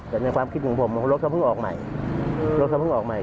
แต่ในความคิดของผมรถเขาเพิ่งออกใหม่รถเขาเพิ่งออกใหม่